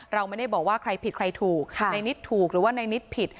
เราไม่ได้บอกว่าใครผิดใครถูกในนิดถูกหรือว่าในนิดผิด